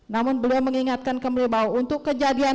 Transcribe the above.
namun beliau mengingatkan kembali bahwa untuk kejadian